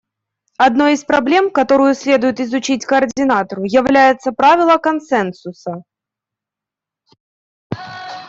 Одной из проблем, которую следует изучить координатору, является правило консенсуса.